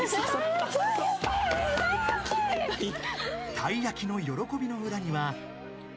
［たいやきの喜びの裏には］